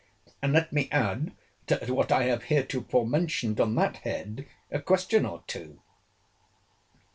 And let me add, to what I have heretofore mentioned on that head, a question or two.